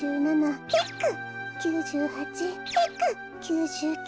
９９。